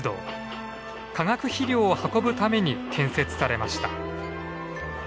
化学肥料を運ぶために建設されました。